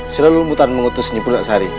selalu membutuhkan mengutusnya budak sari